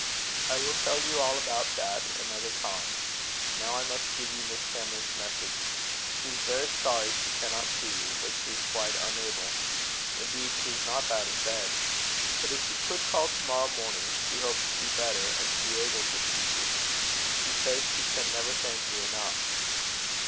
"I will tell you all about that another time. Now I must give you Miss Cameron's message. She is very sorry she cannot see you, but she is quite unable. Indeed, she is not out of bed. But if you could call to morrow morning, she hopes to be better and to be able to see you. She says she can never thank you enough."